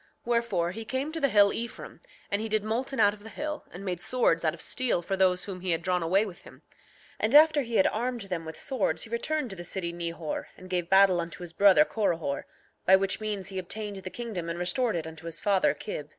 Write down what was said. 7:9 Wherefore, he came to the hill Ephraim, and he did molten out of the hill, and made swords out of steel for those whom he had drawn away with him; and after he had armed them with swords he returned to the city Nehor and gave battle unto his brother Corihor, by which means he obtained the kingdom and restored it unto his father Kib.